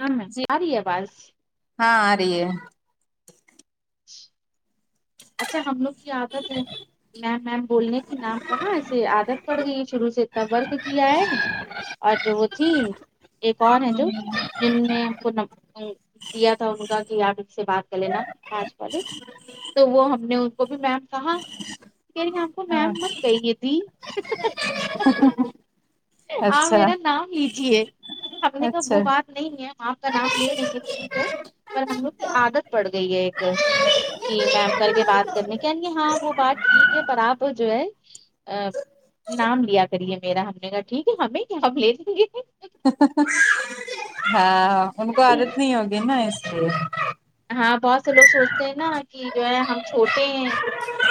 ہاں ہاں جی آری آواز ہاں آرہی ہے [inaudible] اچھا ہم لوگ کی عادت ہے میم میم بولنے کی نہ کہاں اسے عادت پڑ گئی ہے شروع سے اتنا ورک کیا ہے اور جو وہ تھی ایک اور ہے جو جن نے ہم کو [unintelligible] دیا تھا ان کا کہ آپ اس سے بات کر لینا آج کل تو وہ ہم نے ان کو بھی میم کہا کہ ہم کو ہاں میم مت کہیے جی [inaudible] [inaudible] اپ اچھا میرا نام لیجیے ہم نے کہا اچھا وہ بات نہیں ہے آپ کا نام لے لیں گے ٹھیک ہے پر ہم لوگ کی عادت پڑ گئی ہے ایک [unintelligible] کر کے بات کرنے کیا لیے ہیں آپ وہ بات ٹھیک ہے پر آپ جو ہے ا نام لیا کریے میرا ہم نے کہا ٹھیک ہے ہمیں کیا ہم لے لیے ہیں ہاں ان کو عادت نہیں ہوگی نا اس لیے ہاں بہت سے لوگ سوچتے ہیں نا کہ جو ہے ہم چھوٹے ہیں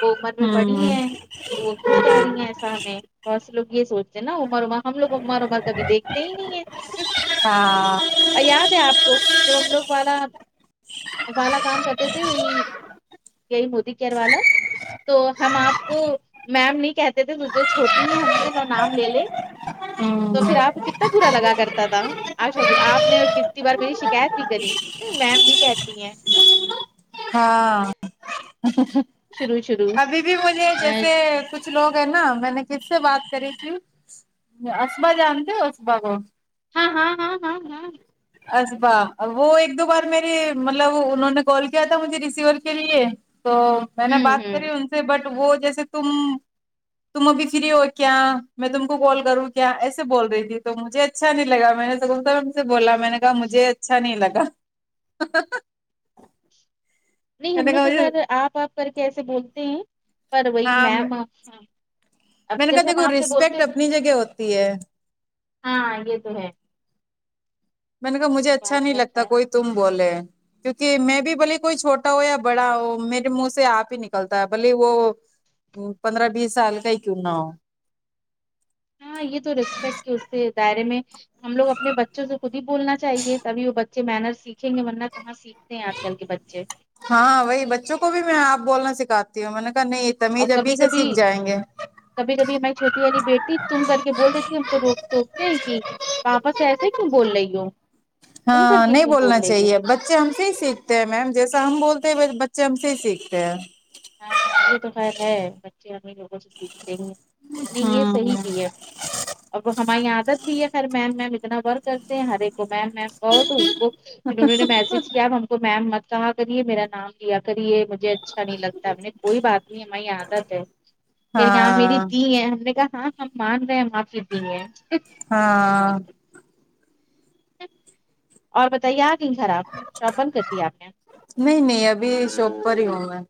وہ عمر میں بڑی ہوں ہیں تو وہ کیوں کہہ رہی ہیں ایسا ہمیں بہت سے لوگ یہ سوچتے ہیں نا عمر میں ہم لوگ عمرعمر کبھی دیکھتے ہی نہیں ہے ہاں یاد ہے آپ کو جب ہم لوگ والا کام کرتے تھے وہی یہ ہی مودی کیئر والا تو ہم آپ کو میم نہیں کہتے تھے تھے [unintelligible] چھوٹی ہیں ہم سے اور نام لے لے تو پھر آپ کتنا برا لگا کرتا تھا آ شب آپ نے کتنی بار میری شکایت بھی کری میم بھی کہتی ہیں ہاں شروع شروع ابھی بھی مجھے جیسے ہاں کچھ کچھ لوگ ہیں نا میں نے کس سے بات کری تھی اصبا جانتے ہو اصبا کو ہاں ہاں ہاں ہاں ہاں اصبا وہ ایک دو بار میری مطلب انہوں نے کال کیا تھا مجھے ریسیور کے لیے تو میں نے ہوں بات کری ہوں ان سے بٹ وہ جیسے تم تم ابھی فری ہو کیا میں تم کو کال کروں کیا ایسے بول رہی تھی تو مجھے اچھا نہیں لگا میں نے تو س سے [unintelligible] بولا میں نے کہا مجھے اچھا نہیں لگا نہیں میں ہم نے لوگ کہا تو مجھے خیر آپ آپ کر کے ایسے بولتے ہیں پر وہی ہاں میم اچھا میں نے کہا دیکھو ریسپیکٹ اپنی جگہ ہوتی ہے ہاں یہ تو ہے میں نے کہا مجھے کچھ اچھا بات نہیں ہے لگتا خیر کوئی تم بولے کیونکہ میں بھی بھلے کوئی چھوٹا ہو یا بڑا وہ میرے منہ سے آپ ہی نکلتا ہے بھلے وہ پندرہ بیس سال کا ہی کیوں نہ ہو ہاں یہ تو رسپیکٹ کہ اس سے دائرے میں ہم لوگ اپنے بچوں سے خود ہی بولنا چاہیے تبھی وہ بچے مننرس سیکھیں گے ورنہ کہاں سیکھتے ہیں آج کل کے بچے ہاں وہی بچوں کو بھی میں آپ بولنا سکھاتی ہوں میں نے کہا نہیں اور تمیز ابھی کبھی سے کبھی سیکھ جائیں گے کبھی کبھی ہماری چھوٹی والی بیٹی تم کر کے بول دیتی ہم تو روکتے ہیں کہ پاپا سے ایسے کیوں بول رہی ہو تم کر ہاں کے نہیں کیوں بول بولنا رہی ہو چاہیے بچے ہم سے ہی سیکھتے ہیں میم جیسا ہم بولتے ہیں بچے ہم سے ہی سیکھتے ہیں ہاں ہاں یہ تو خیر ہے بچے ہمیں لوگوں سے سیکھتے ہی ہیں نی یہ ہوں صحیح دیے اور وہ ہماری عادت بھی ہے خیر میم میم اتنا ورک کرتے ہیں ہر ایک کو میم میم بہت ان کو پھر انہوں نے میسج کیا تو میم مت کہا کریے میرا نام لیا کریے مجھے اچھا نہیں لگتا نے کوئی بات نہیں ہماری عادت ہے کہ یہاں میری ہاں دی ہے ہم نے کہا ہاں ہم [unintelligible] مندہ مات دیے ہاں اور بتائیے آ گی گھر آپ شاپ بند کر دی آپ نے نہیں نہیں ابھی شاپ پر ہی ہوں میں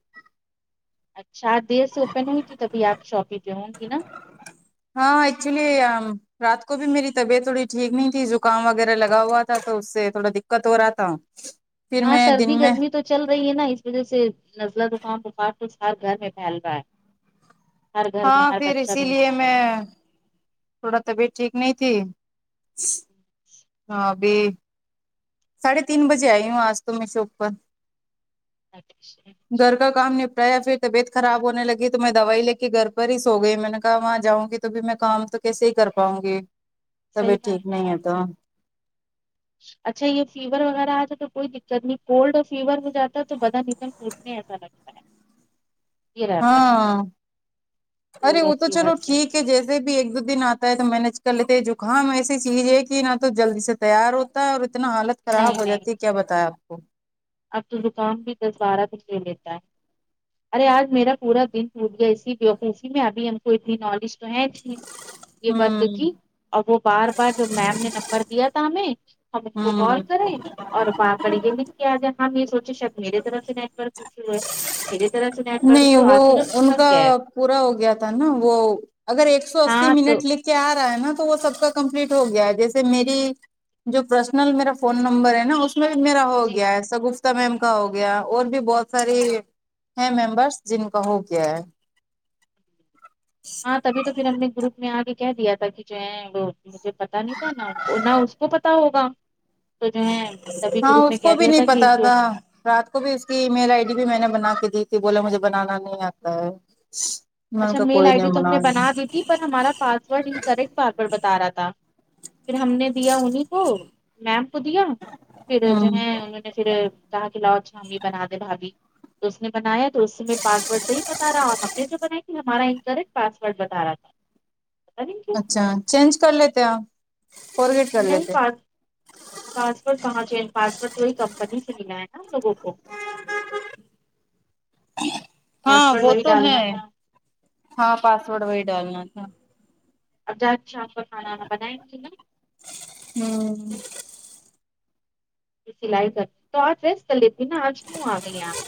اچھا دیر سے اوپن ہوئی تھی تبھی آپ شاپ ہی پہ ہوں گی نا ہاں ایکچولی رات کو بھی میری طبیعت تھوڑی ٹھیک نہیں تھی زکام وغیرہ لگا ہوا تھا تو اس سے تھوڑا دقت ہو رہا تھا پھر ہاں میں سردی دن میں گرمی تو چل رہی ہے نا اس وجہ سے نزلہ زخام بخار کچھ ہر گھر میں پھیل رہا ہے ہر گھر میں ہاں ہر پھر بچہ اسی لیے بیمار ہے میں تھوڑا طبیعت ٹھیک نہیں تھی ہاں ابھی ساڑھے تین بجے آئی ہوں آج تو میں شوپ پر اچھا گھر کا کام نپٹا یا پھر طبیعت خراب ہونے لگی تو میں دوائی لے کے گھر پر ہی سو گئی میں نے کہا وہاں جاؤں گی تو بھی میں کام تو کیسے ہی کر پاؤں گی صحیح طبیعت ٹھیک بات نہیں اور ہے تو کیا اچھا یہ فیور وغیرہ اتا تو کوئی دقت نہیں کولڈ اور فیور ہو جاتا ہے تو بدا نظم ٹوٹنے ایسا لگتا ہے ہوتا ہے ہاں ارے کولڈ اور وہ تو فیور چلو سے ٹھیک ہے جیسے بھی ایک دو دن اتا ہے تو مینج کر لیتے جکام ایسی چیز ہے کہ نہ تو جلدی سے تیار ہوتا ہے اور اتنا حالت خراب نہیں ہو نہیں جاتی ہے کیا بتایا اپ کو اب تو زکام بھی دس بارہ دن لے لیتا ہے ارے اج میرا پورا دن ٹوٹ گیا اسی بوقوفی میں اب ہم کو اتنی نالج ہے تھی یہ بت تو ہوں تھی اور وہ بار بار جو میم نے نمبر دیا تھا ہمیں ہم اس کو کال ہوں کریں اور با پڑی لکھ کے اجائیں ہم یہ سوچیں شاید میری طرف سے نیٹ ورک ایشو ہے میری طرف سے نیٹ ورک نہیں ایشو وہ آخر ہم ان چھک کا گئے پورا ہو گیا تھا نا وہ اگر ایک سو اسی ہاں تو منٹ لکھ کے ا رہا ہے نا تو وہ سب کا کمپلیٹ ہو گیا ہے جیسے میری جو پرسنل میرا فون نمبر ہے نا اس میرا ہو جی گیا ہے سگفتہ میم کا ہو گیا اور بھی بہت ساری ہے ممبرس جن کا ہو گیا ہے ہاں تبھی تو پھر ہم نے گروپ میں ا کے کہہ دیا تھا کہ جو ہیں وہ مجھے پتا نہیں تھا نہ نہ اس کو پتا ہوگا تو جو ہے تبھی ہاں گروپ میں اس کہ کو بھی دیا تھا نہیں کہ پتا رات کو بھی اس کی ای میل ائی ڈی بھی میں نے بنا کے دی تھی بولا مجھے بنانا نہیں آتا ہے میں نے اچھا کہا میل کوئی ائی ڈی نہیں تو ہم نے لے بنا دی تھی پر ہمارا پاسورڈ ان کریکٹ بار بار بتا رہا تھا پھر ہم نے دیا انہیں کو میم کو دیا پھر جو ہوں ہے نے پھر کہا کہ لاؤ اچھا امی بنا دے بھابھی تو اس نے بنایا تو اس سے میں پاسورڈ صحیح بتا رہا ہم نے جو بنائی تے ہمارا ان کریکٹ پاسورڈ بتا رہا تھا پتا نہیں کیوں اچھا چینج کر لیتے اپ فارگیٹ کر نہیں لیتے پاس پاسورٹ کہاں چینج پاسورٹ تو ہی کمپنی سے ملا ہے نا لوگوں کو ہاں پاسورڈ وہ وہی تو ہے ڈالنا تھا ہاں پاسورڈ وہی ڈالنا تھا اب جات شام کا کھانا وانا بنائیں گے نا ہمم سلائی کر تو اج ریسٹ کر لیتی نا تو اج کیوں اگئی اپ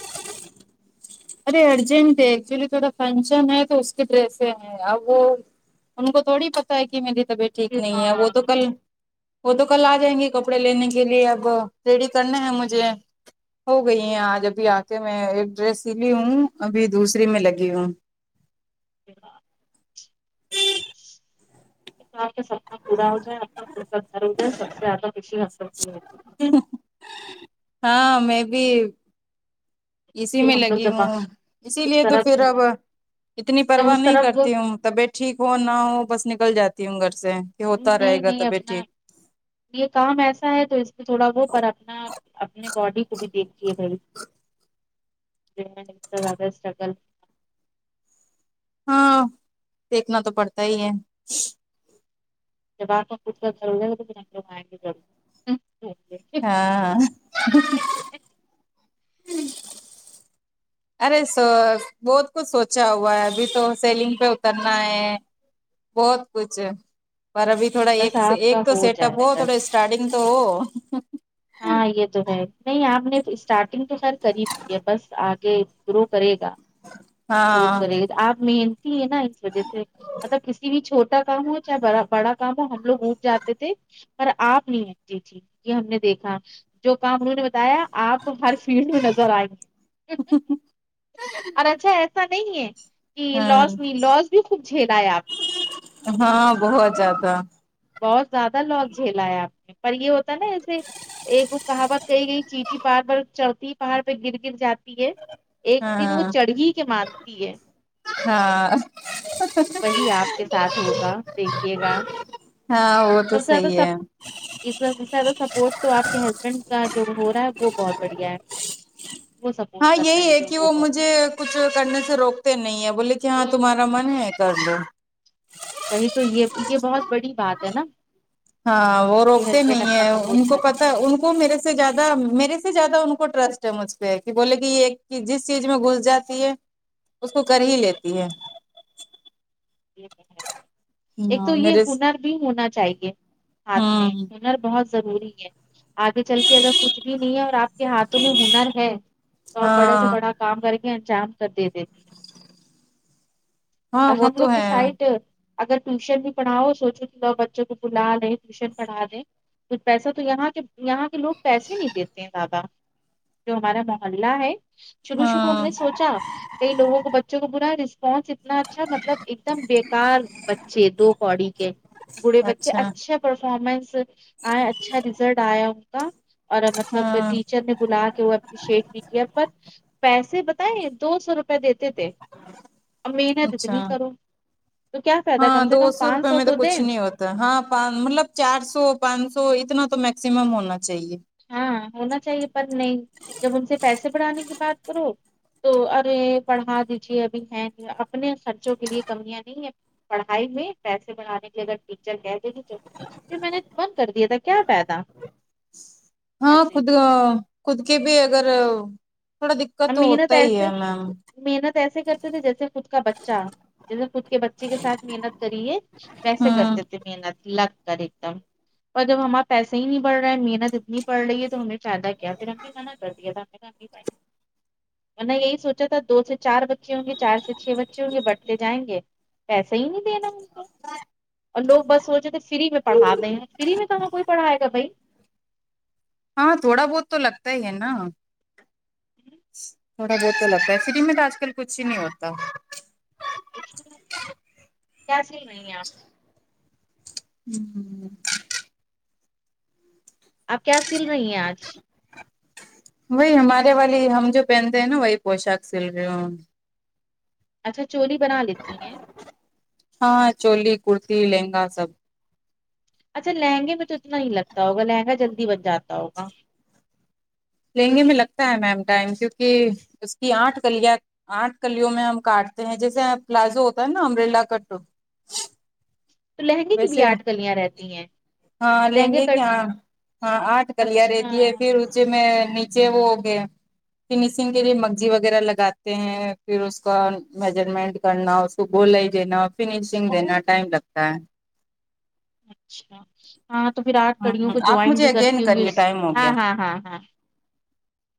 ارے ارجنٹ ہے ایکچولی تھوڑا فنکشن ہے تو اس کے ڈریس ہیں اب وہ ان کو تھوڑی پتا ہے کہ میری طبیعت ٹھیک پھر نہیں ہے وہ ہاں تو کل وہ تو کل ا جائیں گے کپڑے لینے کے لیے اب ریڈی کرنا ہے مجھے ہو گئی ہیں اج ابھی ا کے میں ایک ڈریس سیلی ہوں ابھی دوسری میں لگی ہوں [unintelligible] کے سپنا پورا ہو جائے گھر ہو جائے سب سے زیادہ خوشی ہم لوگ کی ہے ہم ہاں میں بھی اسی پھر میں ہم لوگ لگی جب ہوں اسی اس لیے تو طرح پھر گھوم اب اتنی جب پرواہ اس نہیں طرف وہ کرتی ہوں طبیعت ٹھیک ہو نہ ہو بس نکل جاتی ہوں گھر سے کہ ہوتا نہیں رہے گا نہیں طبیعت اپنا ٹھیک یہ کام ایسا ہے تو اس پہ تھوڑا وہ پر رکھنا اپنے باڈی کو بھی دیکھیے بھائی زیادہ اسٹرگل ہاں دیکھنا تو پڑتا ہی ہے جب اپ کا خود کا گھر ہو جائیں گا تو پھر ہم لوگ ائیں گے جب ہم [inaudible] ارے سوس بہت کچھ سوچا ہوا ہے ابھی تو سیلنگ پہ اترنا ہے بہت کچھ ہے پر ابھی تھوڑا بس ایک سے آپ ایک کا تو سیٹ اپ جائے ہو تھوڑے بس سٹارٹنگ تو ہاں یہ تو ہے نہیں آپ نے اسٹارٹنگ تو خیر کری دی ہے بس اگے گرو کرے گا شروع ہاں کرے اپ محنتی ہے نا اس وجہ سے مطلب کسی بھی چھوٹا کام ہو چاہے بڑا کام ہو ہم لوگ اٹ جاتے تھے پر آپ نہیں اتی تھی یہ ہم نے دیکھا جو کام انہوں نے بتایا آپ ہر فیلڈ میں نظر آئیں گے اور اچھا نہیں ہے کہ ہوں لس نہیں لاس بھی خوب جھیلا ہے آپ نے ہاں بہت زیادہ بہت زیادہ لوگ جھیلا ہے آپ نے پر یہ ہوتا نا ایسے ایک وہ کہاوت کہی گئی چیٹی پہڑ پر چوتھی پہاڑ پہ گر گر جاتی ہے ایک دن وہ ہاں چڑھھی کے مانتی ہے ہاں وہی آپ کے ساتھ ہوگا دیکھیے گا ہاں وہ تو سب سے زیادہ صحیح سب ہے اس زیادہ سپورٹ تو آپ کے ہسبینڈ کا جو ہو رہا ہے وہ بہت بڑھیا ہے وہ سپورٹ ہاں کر یہی رہے ہیں ہے جو کہ وہ بہت مجھے اچھا ہے کچھ کرنے سے روکتے نہیں ہیں بولے کہ ہاں تمہارا من ہے کر دو وہی تو یہ یہ بہت بڑی بات ہے نا ہاں وہ کہ روکتے ہسبینڈ نہیں اپنا ہیں ان سپورٹ کو کر رہے پتا ان کو میرے سے زیادہ میرے سے زیادہ ان کو ٹرسٹ ہے مجھ پہ کہ بولے کہ یہ ایک جس چیز میں گھس جاتی ہے اس کو کر ہی لیتی ہے ایک تو ہاں یہ میرے ہنر بھی ہونا چاہیے ہاتھ ہوں میں بہت ضروری ہے آگے چل کے اگر کچھ بھی نہیں ہے اور آپ کے ہاتھوں میں ہنر ہے تو آپ بڑے سے ہاں بڑا کام کر کے انجام کر دے دیتی ہیں ہاں اور وہ ہم تو لوگ کے ہے سائڈ اگر ٹیوشن بھی پڑھاؤ سوچوا بچوں کو بلا دیں ٹیوشن پڑھا دیں کچھ پیسہ تو یہاں کے یہاں کے لوگ پیسے ہی نہیں دیتے ہیں دادا جو ہمارا محلہ ہے شروع شروع ہم ہاں نے سوچا کئی لوگوں کو بچوں کو برا رسپانس اتنا اچھا مطلب ایک دم بیکار بچے دو پڑی کے بوڑھے بچے اچھا اچھے پرفارمنس آ اچھا رزلٹ آیا ان کا اور مطلب ہاں ٹیچر نے بلا کے وہ اپریشیٹ بھی کیا پر پیسے بتائیں دو سو روپئے دیتے تھے اب محنت اتنی اچھا کرو تو کیا فائدہ ہاں کم سے دو کم سو پانچ روپئے میں تو کچھ دیں نہیں ہوتا ہاں مطلب چار سو پانچ سو اتنا تو میکسیمم ہونا چاہیے ہاں ہونا چاہیے پر نہیں جب ان سے پیسے بڑھانے کی بات کرو تو ارے پڑھا دیجیے ابھی ہیں اپنے خرچوں کے لیے کمیاں نہیں ہے پڑھائی میں پیسے بڑھانے کے اگر ٹیچر کہ دےے پ میں نے بند کر دیا تھا کیا پیدا ہاں خود خود کے بھی اگر تھوڑا دقت ہم تو محنت ہوتا ہی ہے ایسے میم محنت ایسے کرتے تھے جیسے خود کا بچہ جیسے خود کے بچے کے ساتھ محنت کریے کیسے ہوں کرتے تھے محنت لگ کر ایک دم اور جب ہمار پیسے ہی نہیں بڑ رہے ہیں محنت اتنی پڑ رہی ہے تو ہم نے فائدہ کیا پھر ہم نے منع کر دیا تھا پ [unintelligible] میں نے یہی سوچا تھا دو سے چار بچے ہوں گے چار سے چھ بچے ہوں گے بٹتے جائیں گے پیسے ہی نہیں دین اور لوگ بس وہ جے تھے فری میں پڑھا دے ہیں فری میں کہاں کوئی پڑھائے گا بھائی ہاں تھوڑا بہت تو لگتا ہی ہے نا تھوڑا بہت ہیلتا ہے فری میں تو آج کل کچھ ہی نہیں ہوتا کیسی نہیں آپ ه ہمم ہمم آپ کیا سل رہی ہیں آج وہی ہمارے والی ہم جو پہنتے ہیں نا وہی پوشاک سل رہی ہ اچھا چولی بنا لیتی ہیں ہاں چولی کورتی لہنگا سب اچھا لہنگے میں تو اتنا ہی لگتا ہوگا لہنگا جلدی بن جاتا ہوگا لہنگے میں لگتا ہے میم ٹائم کیوںکہ اس کی آٹھ کلیاں آٹھ کلیوں میں ہم کاٹتے ہیں جیسے پلازو ہوتا ہے نا امبریلا کاٹ تو لہنگے کی بھی آٹھ کلیاں رہتی ہیں ہاں لہنگے کی آٹھ ہاں آٹھ کلیاں رہتی اچھا ہے پھر نچے میں نیچے وہ ہوگئے فنیشنگ کے لیے مگزی وغیرہ لگاتے ہیں پھر اس کا میجرمنٹ کرنا گولائی دینا فنیشنگ دینا ٹائم لگتا ہے اچھا ہاں تو پھر آٹھ کلیوں کو آپ جوائٹ مجھے بھی کرتی اگین ہوں گی کریے اس ٹائم ہو ہاں گیا ہاں ہاں ہاں